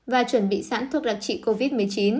và chuẩn bị sẵn thuốc đặc trị covid một mươi chín